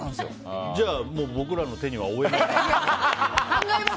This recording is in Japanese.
じゃあ、もう僕らの手には負えない。